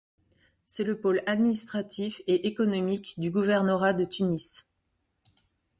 C'est le pôle administratif et économique du gouvernorat de Tunis.